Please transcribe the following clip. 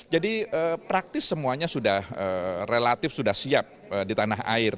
jadi praktis semuanya sudah relatif sudah siap di tanah air